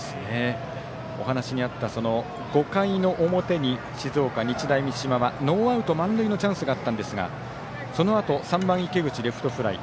お話にあった５回の表に静岡・日大三島はノーアウト満塁のチャンスがあったんですがそのあと３番池口、レフトフライ。